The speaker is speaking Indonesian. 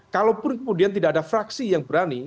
kalaupun kemudian tidak ada fraksi yang berani